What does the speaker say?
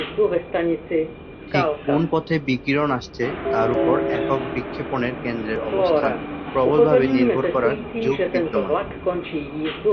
ঠিক কোন পথে বিকিরণ আসছে তার উপর একক বিক্ষেপণের কেন্দ্রের অবস্থান প্রবলভাবে নির্ভর করার ঝোঁক বিদ্যমান।